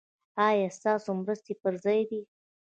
ایا ستاسو مرستې پر ځای دي؟